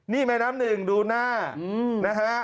นี่แม่น้ำหนึ่งดูหน้านะฮะ